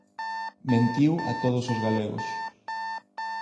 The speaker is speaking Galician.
Mentiu a todos os galegos.